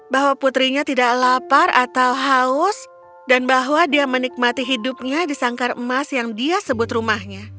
bahwa putrinya tidak lapar atau haus dan bahwa dia menikmati hidupnya di sangkar emas yang dia sebut rumahnya